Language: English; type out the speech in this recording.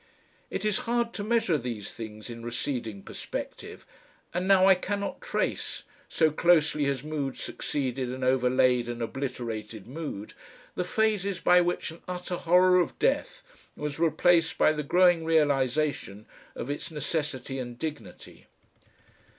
It is hard to measure these things in receding perspective, and now I cannot trace, so closely has mood succeeded and overlaid and obliterated mood, the phases by which an utter horror of death was replaced by the growing realisation of its necessity and dignity.